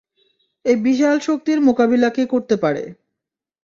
এই বিশাল শক্তির মোকাবিলা কে করতে পারে?